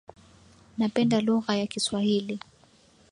Napenda lugha ya Kiswahili